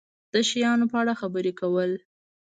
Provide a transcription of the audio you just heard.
د شیانو په اړه خبرې کول